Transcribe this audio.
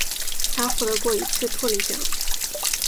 他获得过一次托尼奖。